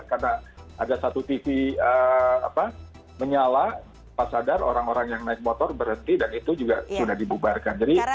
karena ada satu tv menyala pas sadar orang orang yang naik motor berhenti dan itu juga sudah dibubarkan